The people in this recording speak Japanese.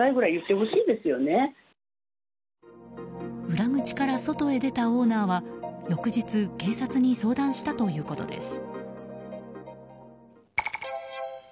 裏口から外へ出たオーナーは翌日警察に相談したということです。